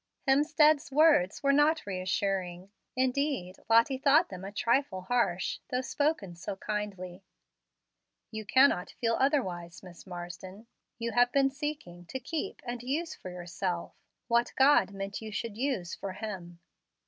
Hemstead's words were not reassuring. Indeed, Lottie thought them a trifle harsh, though spoken so kindly. "You cannot feel otherwise, Miss Marsden. You have been seeking to keep and use for yourself what God meant you should use for Him.